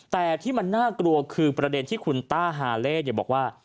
แต่ที่มันน่ากลัวคือประเด็นที่คุณต้าฮาเล่บอกว่า